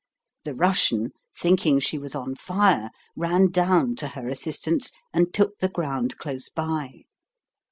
The Russian, thinking she was on fire, ran down to her assistance, and took the ground close by.